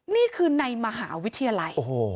นี่คือในมหาวิทยาลัย